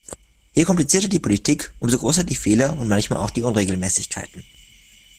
Je komplizierter die Politik, umso größer die Fehler und manchmal auch die Unregelmäßigkeiten.